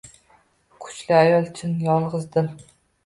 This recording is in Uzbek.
Kuchli ayol chin yolgʻizdir.